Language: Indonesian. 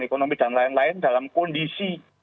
ekonomi dan lain lain dalam kondisi